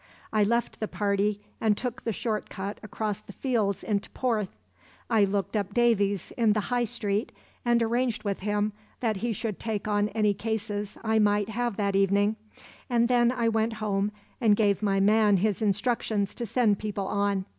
I left the party and took the short cut across the fields into Porth. I looked up Davies in the High Street and arranged with him that he should take on any cases I might have that evening, and then I went home and gave my man his instructions to send people on.